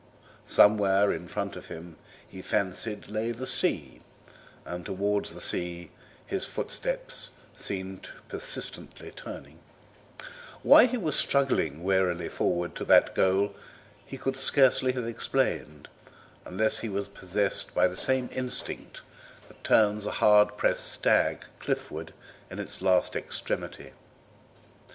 Somewhere in front of him, he fancied, lay the sea, and towards the sea his footsteps seemed persistently turning; why he was struggling wearily forward to that goal he could scarcely have explained, unless he was possessed by the same instinct that turns a hard pressed stag cliffward in its last extremity.